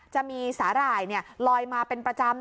จะมีสาหร่ายลอยมาเป็นประจำ